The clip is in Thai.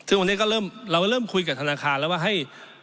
ซึ่งวันนี้ก็เริ่มเราเริ่มคุยกับธนาคารแล้วว่าให้